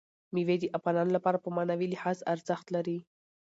مېوې د افغانانو لپاره په معنوي لحاظ ارزښت لري.